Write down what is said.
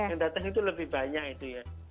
yang datang itu lebih banyak itu ya